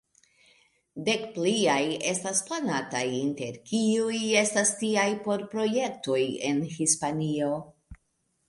Dek pliaj estas planataj, inter kiuj estas tiaj por projektoj en Hispanio.